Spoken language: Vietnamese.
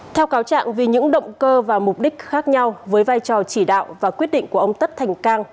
theo cáo trạng vì những động cơ và mục đích khác nhau với vai trò chỉ đạo và quyết định của ông tất thành cang